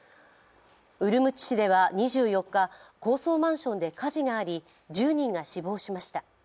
ウルムチ市では２４日、高層マンションで火事があり１０人が死亡しました。